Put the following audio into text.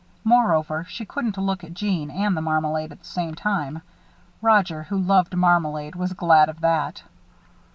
Moreover, she couldn't look at Jeanne and the marmalade at the same time. Roger, who loved marmalade, was glad of that.